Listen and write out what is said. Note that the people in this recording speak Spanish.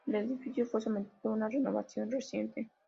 El edificio fue sometido a una renovación reciente.